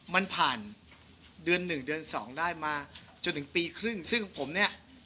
มันผ่านเดือนหนึ่งเดือนสองได้มาจนถึงปีครึ่งซึ่งผมเนี่ย